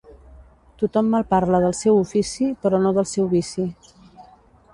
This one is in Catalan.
Tothom malparla del seu ofici, però no del seu vici.